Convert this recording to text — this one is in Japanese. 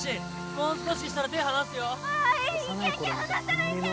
もう少ししたら手ぇ離すよ。